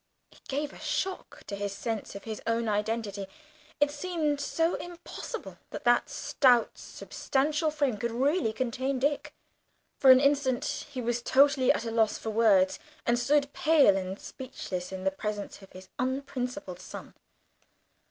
It gave a shock to his sense of his own identity. It seemed so impossible that that stout substantial frame could really contain Dick. For an instant he was totally at a loss for words, and stood pale and speechless in the presence of his unprincipled son.